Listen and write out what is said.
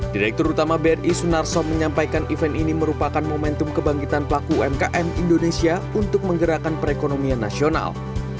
direktur utama bri sunarso menyampaikan event ini merupakan momentum kebangkitan pelaku umkm indonesia untuk menggerakkan perekonomian nasional